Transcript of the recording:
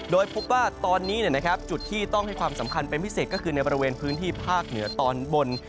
โดยพบว่าตอนนี้จุดที่ต้องให้ความสำคัญเป็นพิเศษก็คือในบริเวณพื้นที่ภาคเหนือตอนบน